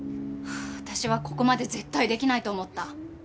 私はここまで絶対できないと思った。